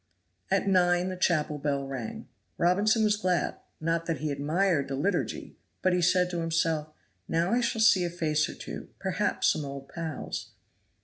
At nine the chapel bell rang. Robinson was glad. Not that he admired the Liturgy, but he said to himself, "Now I shall see a face or two, perhaps some old pals."